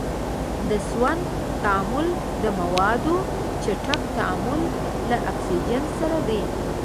د سون تعامل د موادو چټک تعامل له اکسیجن سره دی.